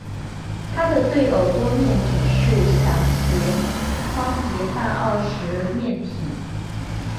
它的对偶多面体是小斜方截半二十面体。